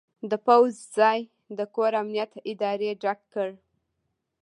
د پوځ ځای د کور امنیت ادارې ډک کړ.